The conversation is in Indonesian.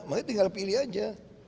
makanya tinggal pilih aja